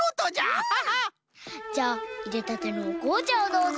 じゃあいれたてのおこうちゃをどうぞ。